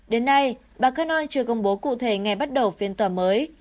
đến nay bà carni chưa công bố cụ thể ngày bắt đầu phiên tòa mới